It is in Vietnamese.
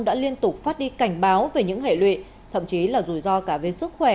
đã liên tục phát đi cảnh báo về những hệ lụy thậm chí là rủi ro cả về sức khỏe